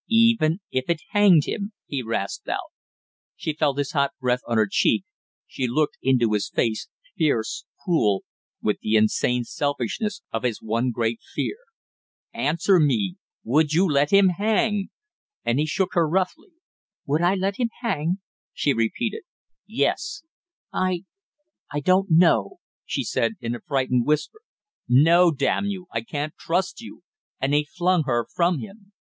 "Even if it hanged him?" he rasped out. She felt his hot breath on her cheek; she looked into his face, fierce, cruel, with the insane selfishness of his one great fear. "Answer me, would you let him hang?" and he shook her roughly. "Would I let him hang " she repeated. "Yes " "I I don't know!" she said in a frightened whisper. "No, damn you, I can't trust you!" and he flung her from him.